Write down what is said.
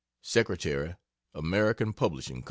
Sec'y American Publishing Co.